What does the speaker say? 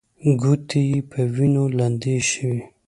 ګوتې يې په وينو لندې شوې.